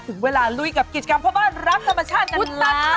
ถึงเวลาลุยกับกิจกรรมพ่อบ้านรักธรรมชาติคุณตา